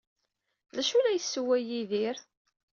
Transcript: D acu ay la yessewway Yidir?